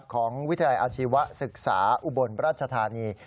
วิทยาลัยอาชีวศึกษาอุบลราชธานี